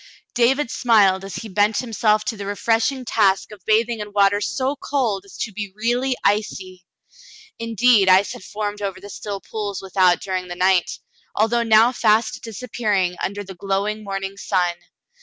David smiled as he bent himself to the refreshing task of bathing in water so cold as to be really icy. Indeed, ice had formed over still pools without during the night, although now fast disappearing under the glowing morn ing sun.